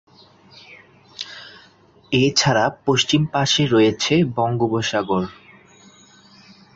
এছাড়া পশ্চিম পাশে রয়েছে বঙ্গোপসাগর।